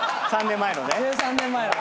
３年前の。